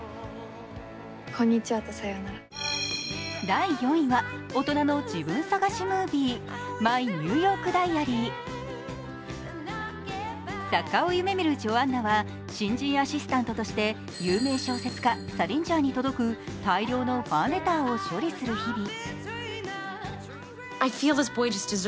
第４位は大人の自分探しムービー「マイ・ニューヨーク・ダイアリー」作家を夢見るジョアンナは新人アシスタントとして有名小説家・サリンジャーに届く大量のファンレターを処理する日々。